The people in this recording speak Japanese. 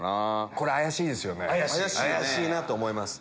これ怪しいなと思います。